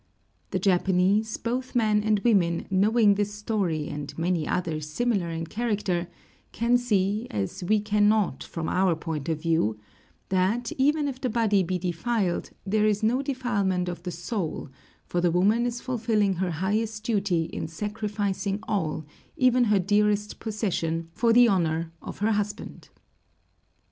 The Japanese, both men and women, knowing this story and many others similar in character, can see, as we cannot from our point of view, that, even if the body be defiled, there is no defilement of the soul, for the woman is fulfilling her highest duty in sacrificing all, even her dearest possession, for the honor of her husband.